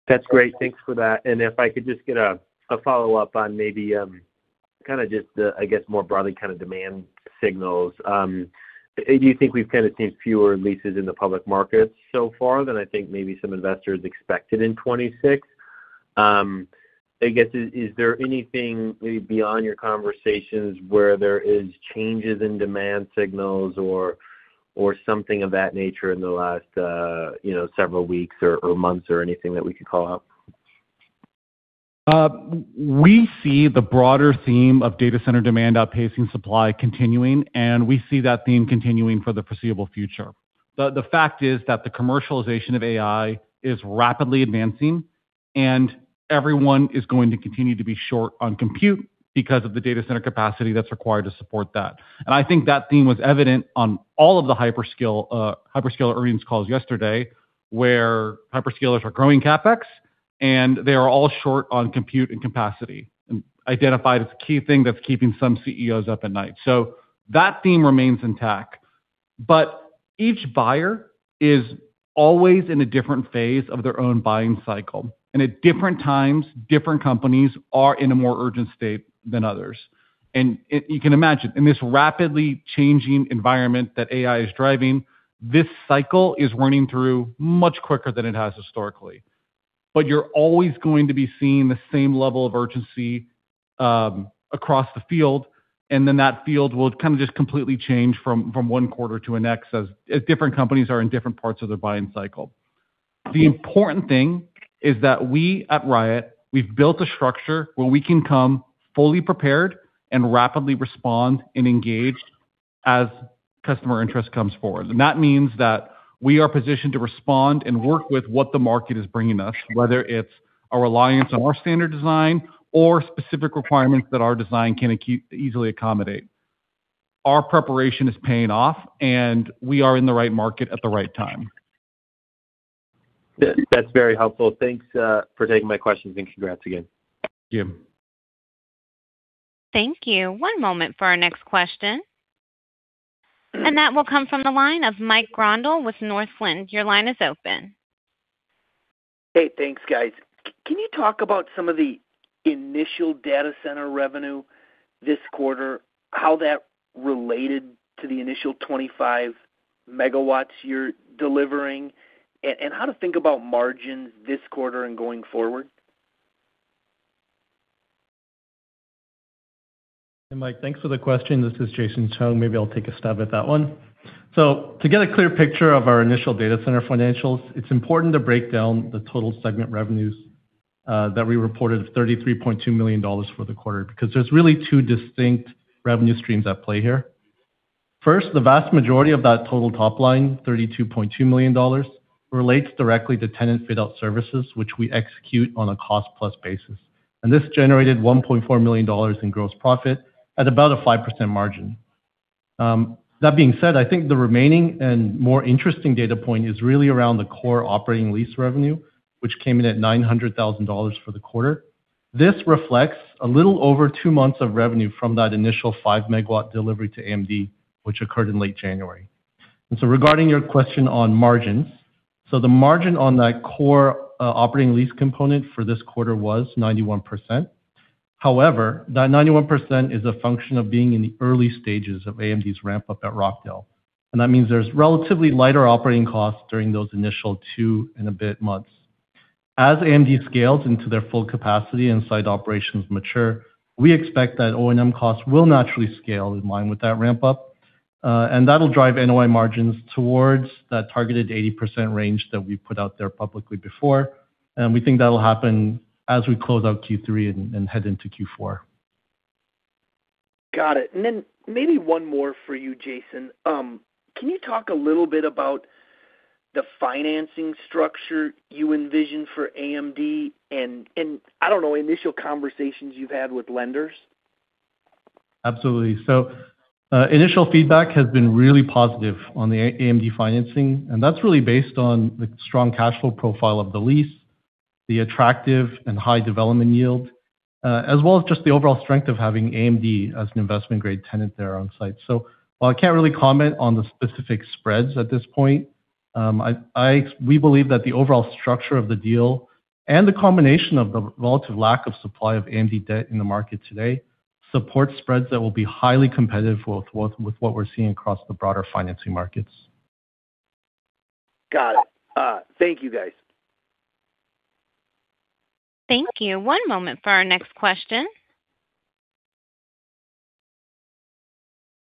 That's great. Thanks for that. If I could just get a follow-up on maybe, kinda just, I guess, more broadly kinda demand signals. Do you think we've kinda seen fewer leases in the public market so far than I think maybe some investors expected in 2026? I guess, is there anything maybe beyond your conversations where there is changes in demand signals or something of that nature in the last, you know, several weeks or months or anything that we could call out? We see the broader theme of data center demand outpacing supply continuing, and we see that theme continuing for the foreseeable future. The fact is that the commercialization of AI is rapidly advancing, and everyone is going to continue to be short on compute because of the data center capacity that's required to support that. I think that theme was evident on all of the hyperscale hyperscaler earnings calls yesterday, where hyperscalers are growing CapEx, and they are all short on compute and capacity, and identified as a key thing that's keeping some CEOs up at night. That theme remains intact. Each buyer is always in a different phase of their own buying cycle, and at different times, different companies are in a more urgent state than others. You can imagine, in this rapidly changing environment that AI is driving, this cycle is running through much quicker than it has historically. You're always going to be seeing the same level of urgency, across the field, that field will kind of just completely change from one quarter to the next as different companies are in different parts of their buying cycle. The important thing is that we at Riot, we've built a structure where we can come fully prepared and rapidly respond and engage as customer interest comes forward. That means that we are positioned to respond and work with what the market is bringing us, whether it's a reliance on our standard design or specific requirements that our design can easily accommodate. Our preparation is paying off, we are in the right market at the right time. That's very helpful. Thanks for taking my questions, and congrats again. Yeah. Thank you. One moment for our next question. That will come from the line of Mike Grondahl with Northland. Your line is open. Hey, thanks, guys. Can you talk about some of the initial data center revenue this quarter, how that related to the initial 25 megawatts you're delivering, and how to think about margins this quarter and going forward? Hey, Mike, thanks for the question. This is Jason Chung. Maybe I'll take a stab at that one. To get a clear picture of our initial data center financials, it's important to break down the total segment revenues that we reported of $33.2 million for the quarter, because there's really two distinct revenue streams at play here. First, the vast majority of that total top line, $32.2 million, relates directly to tenant fit out services, which we execute on a cost-plus basis. This generated $1.4 million in gross profit at about a 5% margin. That being said, I think the remaining and more interesting data point is really around the core operating lease revenue, which came in at $900,000 for the quarter. This reflects a little over two months of revenue from that initial 5-MW delivery to AMD, which occurred in late January. Regarding your question on margins, the margin on that core operating lease component for this quarter was 91%. That 91% is a function of being in the early stages of AMD's ramp up at Rockdale, and that means there's relatively lighter operating costs during those initial two and a bit months. As AMD scales into their full capacity and site operations mature, we expect that O&M costs will naturally scale in line with that ramp up. That'll drive NOI margins towards that targeted 80% range that we put out there publicly before. We think that'll happen as we close out Q3 and head into Q4. Got it. Then maybe one more for you, Jason. Can you talk a little bit about the financing structure you envision for AMD and I don't know, initial conversations you've had with lenders? Absolutely. Initial feedback has been really positive on the AMD financing, and that's really based on the strong cash flow profile of the lease, the attractive and high development yield, as well as just the overall strength of having AMD as an investment-grade tenant there on site. While I can't really comment on the specific spreads at this point, we believe that the overall structure of the deal and the combination of the relative lack of supply of AMD debt in the market today support spreads that will be highly competitive with what we're seeing across the broader financing markets. Got it. Thank you, guys. Thank you. One moment for our next question.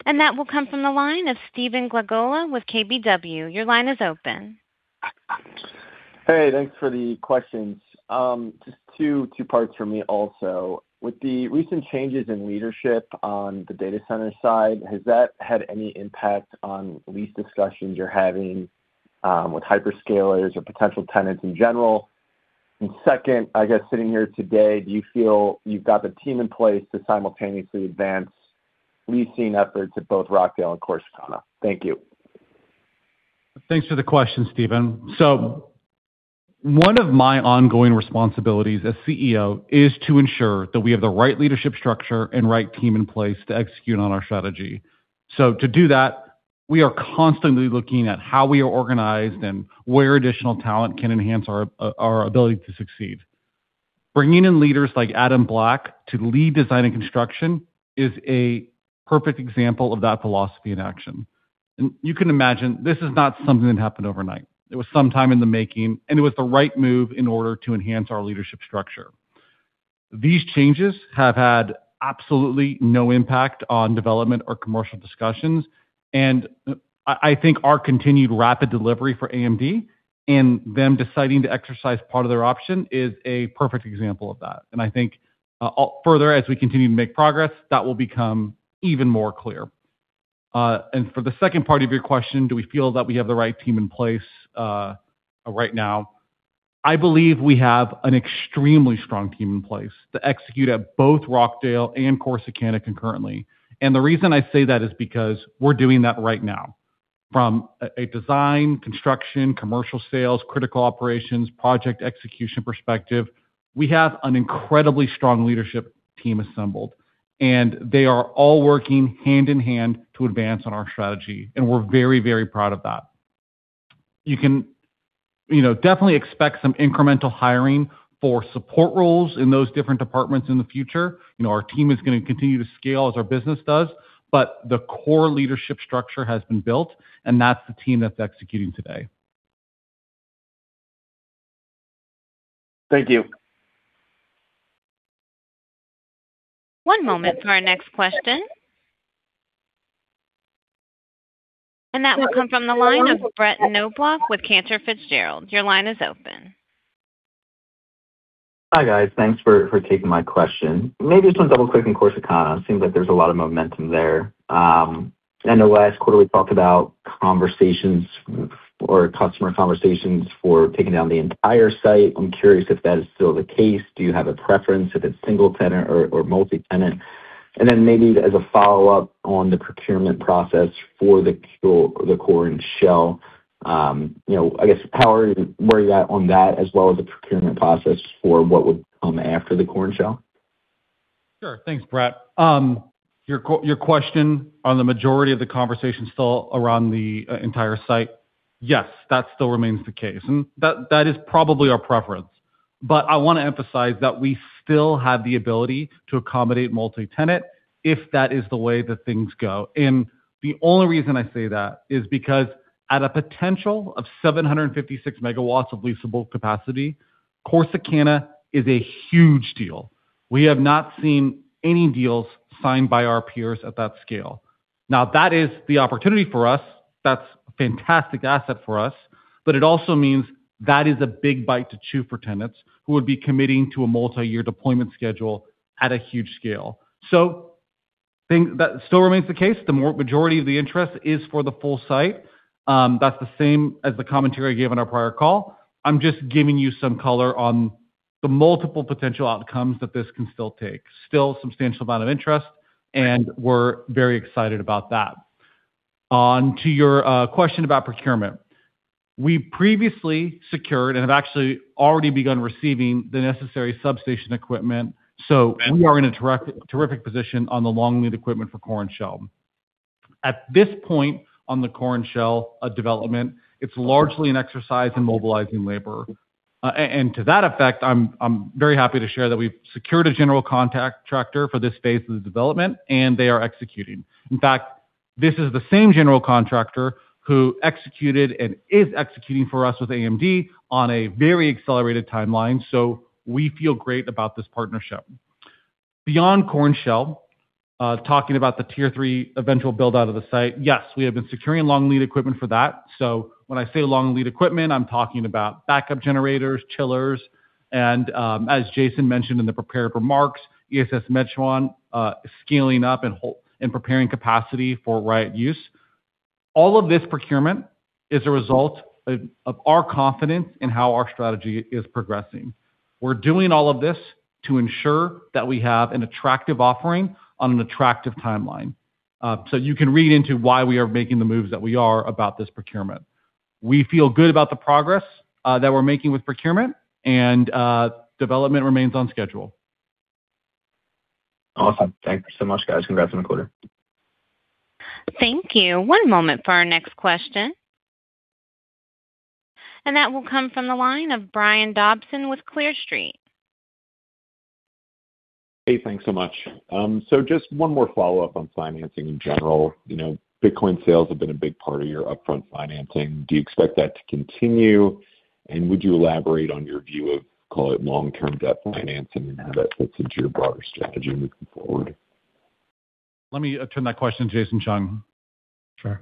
That will come from the line of Stephen Glagola with KBW. Your line is open. Hey, thanks for the questions. Just two parts from me also. With the recent changes in leadership on the data center side, has that had any impact on lease discussions you're having with hyperscalers or potential tenants in general? Second, I guess sitting here today, do you feel you've got the team in place to simultaneously advance leasing efforts at both Rockdale and Corsicana? Thank you. Thanks for the question, Stephen. One of my ongoing responsibilities as CEO is to ensure that we have the right leadership structure and right team in place to execute on our strategy. To do that, we are constantly looking at how we are organized and where additional talent can enhance our ability to succeed. Bringing in leaders like Adam Black to lead design and construction is a perfect example of that philosophy in action. You can imagine this is not something that happened overnight. It was some time in the making, and it was the right move in order to enhance our leadership structure. These changes have had absolutely no impact on development or commercial discussions, and I think our continued rapid delivery for AMD and them deciding to exercise part of their option is a perfect example of that. I think, further as we continue to make progress, that will become even more clear. For the second part of your question, do we feel that we have the right team in place right now? I believe we have an extremely strong team in place to execute at both Rockdale and Corsicana concurrently. The reason I say that is because we're doing that right now. From a design, construction, commercial sales, critical operations, project execution perspective, we have an incredibly strong leadership team assembled, they are all working hand in hand to advance on our strategy, we're very, very proud of that. You can, you know, definitely expect some incremental hiring for support roles in those different departments in the future. You know, our team is gonna continue to scale as our business does, but the core leadership structure has been built, and that's the team that's executing today. Thank you. One moment for our next question. That will come from the line of Brett Knoblauch with Cantor Fitzgerald. Your line is open. Hi, guys. Thanks for taking my question. I know last quarterly you talked about conversations or customer conversations for taking down the entire site. I'm curious if that is still the case. Do you have a preference if it's single tenant or multi-tenant? Maybe as a follow-up on the procurement process for the core and shell, you know, I guess, power where you at on that as well as the procurement process for what would come after the core and shell. Sure. Thanks, Brett. your question on the majority of the conversation still around the entire site, yes, that still remains the case. That is probably our preference. I wanna emphasize that we still have the ability to accommodate multi-tenant if that is the way that things go. The only reason I say that is because at a potential of 756 megawatts of leasable capacity, Corsicana is a huge deal. We have not seen any deals signed by our peers at that scale. That is the opportunity for us. That's a fantastic asset for us. It also means that is a big bite to chew for tenants who would be committing to a multi-year deployment schedule at a huge scale. Think that still remains the case. The majority of the interest is for the full site. That's the same as the commentary I gave on our prior call. I'm just giving you some color on the multiple potential outcomes that this can still take. Still substantial amount of interest, and we're very excited about that. On to your question about procurement. We previously secured and have actually already begun receiving the necessary substation equipment, so we are in a terrific position on the long lead equipment for core and shell. At this point on the core and shell development, it's largely an exercise in mobilizing labor. To that effect, I'm very happy to share that we've secured a general contractor for this phase of the development, and they are executing. In fact, this is the same general contractor who executed and is executing for us with AMD on a very accelerated timeline, so we feel great about this partnership. Beyond core and shell, talking about the tier-3 eventual build-out of the site, yes, we have been securing long lead equipment for that. When I say long lead equipment, I'm talking about backup generators, chillers, and as Jason mentioned in the prepared remarks, ESS Metron scaling up and preparing capacity for Riot use. All of this procurement is a result of our confidence in how our strategy is progressing. We're doing all of this to ensure that we have an attractive offering on an attractive timeline. You can read into why we are making the moves that we are about this procurement. We feel good about the progress, that we're making with procurement and, development remains on schedule. Awesome. Thank you so much, guys. Congrats on the quarter. Thank you. One moment for our next question. That will come from the line of Brian Dobson with Clear Street. Hey, thanks so much. Just one more follow-up on financing in general. You know, Bitcoin sales have been a big part of your upfront financing. Do you expect that to continue? Would you elaborate on your view of, call it long-term debt financing and how that fits into your broader strategy moving forward? Let me turn that question to Jason Chung. Sure.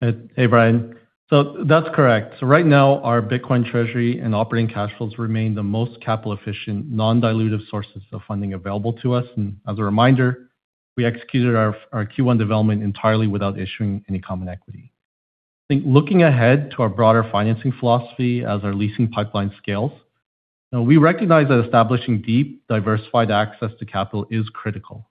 Hey, Brian. That's correct. Right now, our Bitcoin treasury and operating cash flows remain the most capital efficient, non-dilutive sources of funding available to us. As a reminder, we executed our Q1 development entirely without issuing any common equity. I think looking ahead to our broader financing philosophy as our leasing pipeline scales, we recognize that establishing deep, diversified access to capital is critical.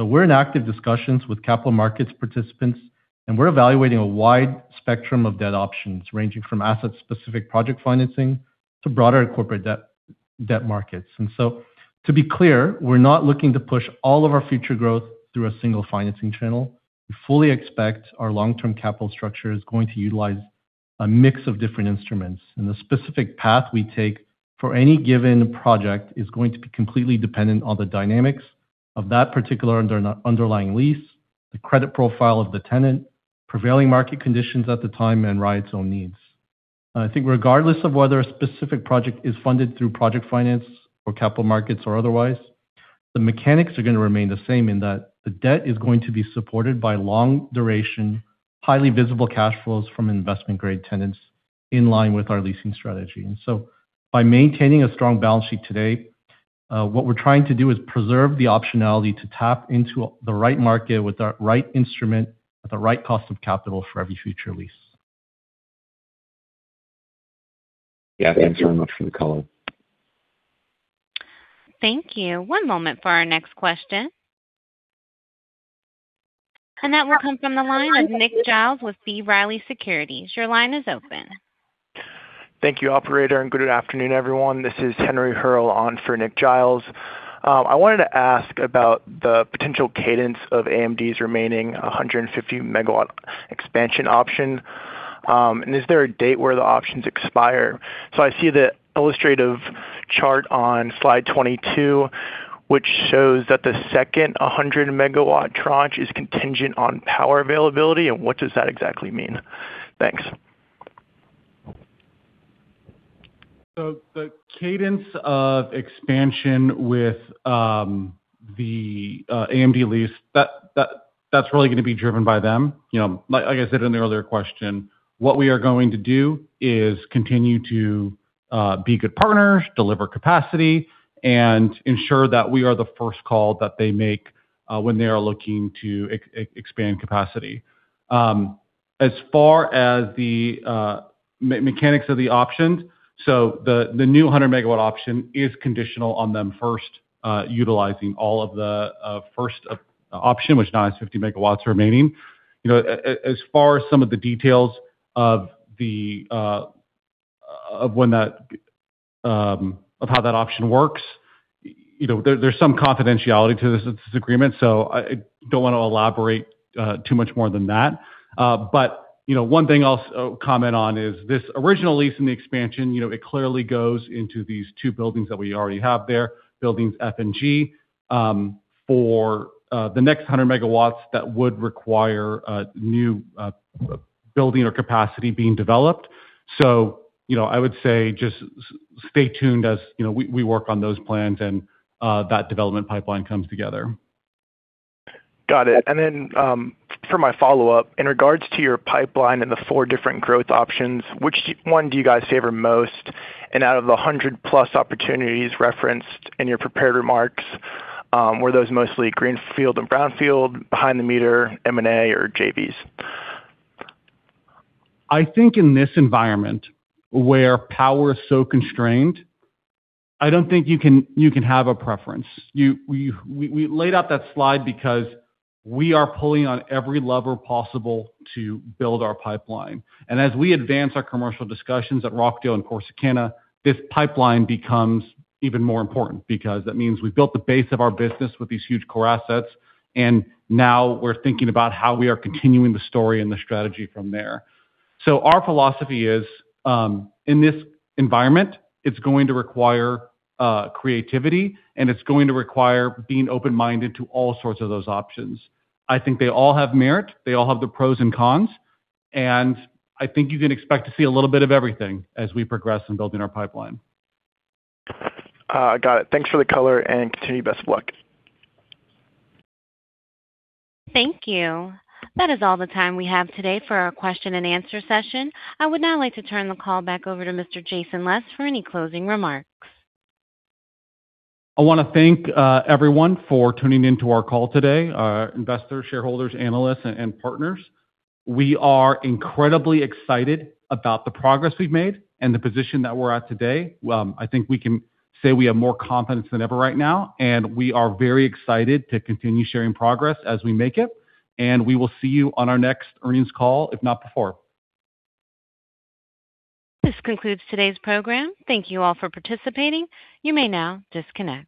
We're in active discussions with capital markets participants, and we're evaluating a wide spectrum of debt options, ranging from asset-specific project financing to broader corporate debt markets. To be clear, we're not looking to push all of our future growth through a single financing channel. We fully expect our long-term capital structure is going to utilize a mix of different instruments. The specific path we take for any given project is going to be completely dependent on the dynamics of that particular underlying lease, the credit profile of the tenant, prevailing market conditions at the time, and Riot's own needs. I think regardless of whether a specific project is funded through project finance or capital markets or otherwise, the mechanics are gonna remain the same in that the debt is going to be supported by long duration, highly visible cash flows from investment-grade tenants in line with our leasing strategy. By maintaining a strong balance sheet today, what we're trying to do is preserve the optionality to tap into the right market with the right instrument at the right cost of capital for every future lease. Yeah. Thanks so much for the color. Thank you. One moment for our next question. That will come from the line of Nick Giles with B. Riley Securities. Your line is open. Thank you, operator, and good afternoon, everyone. This is Henry Hurll on for Nick Giles. I wanted to ask about the potential cadence of AMD's remaining 150 MW expansion option. Is there a date where the options expire? I see the illustrative chart on slide 22, which shows that the 2nd 100 MW tranche is contingent on power availability, what does that exactly mean? Thanks. The cadence of expansion with the AMD lease, that's really going to be driven by them. You know, like I said in the earlier question, what we are going to do is continue to be good partners, deliver capacity, and ensure that we are the first call that they make when they are looking to expand capacity. As far as the mechanics of the options, the new 100 MW option is conditional on them first utilizing all of the first option, which now is 50 MW remaining. You know, as far as some of the details of when that of how that option works, you know, there's some confidentiality to this agreement, so I don't want to elaborate too much more than that. You know, one thing I'll comment on is this original lease in the expansion, you know, it clearly goes into these two buildings that we already have there, buildings F and G. For the next 100 MW, that would require a new building or capacity being developed. You know, I would say just stay tuned as, you know, we work on those plans and that development pipeline comes together. Got it. Then, for my follow-up, in regards to your pipeline and the four different growth options, which one do you guys favor most? Out of the 100+ opportunities referenced in your prepared remarks, were those mostly greenfield and brownfield, behind the meter, M&A, or JVs? I think in this environment where power is so constrained, I don't think you can have a preference. We laid out that slide because we are pulling on every lever possible to build our pipeline. As we advance our commercial discussions at Rockdale and Corsicana, this pipeline becomes even more important because that means we've built the base of our business with these huge core assets, and now we're thinking about how we are continuing the story and the strategy from there. Our philosophy is, in this environment, it's going to require creativity, and it's going to require being open-minded to all sorts of those options. I think they all have merit. They all have the pros and cons, and I think you can expect to see a little bit of everything as we progress in building our pipeline. Got it. Thanks for the color, and continue best of luck. Thank you. That is all the time we have today for our question and answer session. I would now like to turn the call back over to Mr. Jason Les for any closing remarks. I wanna thank everyone for tuning in to our call today, investors, shareholders, analysts and partners. We are incredibly excited about the progress we've made and the position that we're at today. I think we can say we have more confidence than ever right now, and we are very excited to continue sharing progress as we make it. We will see you on our next earnings call, if not before. This concludes today's program. Thank you all for participating. You may now disconnect.